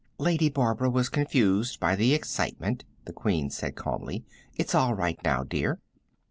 "Lady Barbara was confused by the excitement," the Queen said calmly. "It's all right now, dear."